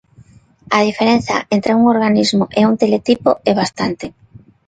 A diferenza entre un organismo e un teletipo é bastante.